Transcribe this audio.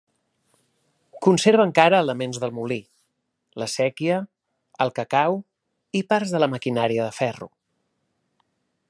Conserva encara elements del molí: la séquia, el cacau, parts de la maquinària de ferro.